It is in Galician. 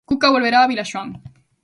Cuca volverá a Vilaxoán.